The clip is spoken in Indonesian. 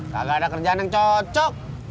kagak ada kerjaan yang cocok